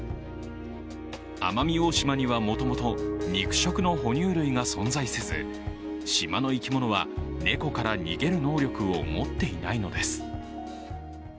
奄美大島にはもとも肉食の哺乳類が存在せず、島の生き物は、猫から逃げる能力を持っていないのです。